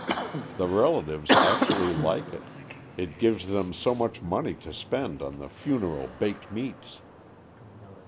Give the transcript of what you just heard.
The relatives actually like it ; it gives them so much money to spend on the funeral baked meats.